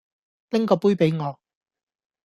拎個杯畀我